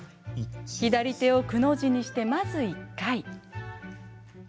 左手をくの字にしてまず１回。